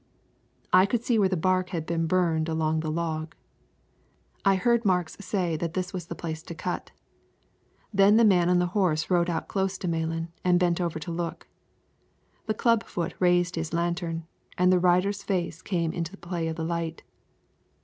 I could see where the bark had been burned along the log. I heard Marks say that this was the place to cut. Then the man on the horse rode out close to Malan and bent over to look. The clubfoot raised his lantern, and the rider's face came into the play of the light.